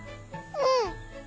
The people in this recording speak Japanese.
うん！